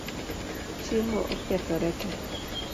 Chiemo okethoree tee